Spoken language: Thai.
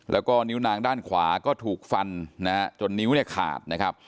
แล้วก็นิ้วนางด้านขวาก็ถูกฟันนะฮะจนนิ้วเนี่ยขาดนะครับ